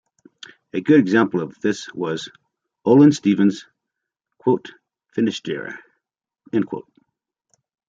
A good example of this was Olin Stephens' "Finisterre".